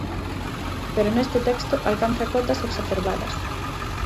Pero neste texto alcanza cotas exacerbadas.